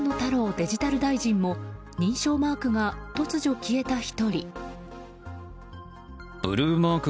デジタル大臣も認証マークが突如消えた１人。